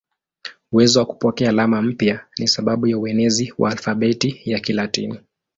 Uwezo wa kupokea alama mpya ni sababu ya uenezi wa alfabeti ya Kilatini.